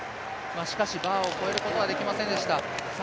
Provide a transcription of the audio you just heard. しかし、バーを越えることはできませんでした。